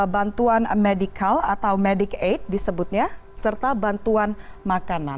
bantuan medical atau medicaid disebutnya serta bantuan makanan